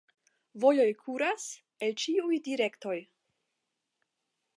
Vojoj kuras el ĉiuj direktoj.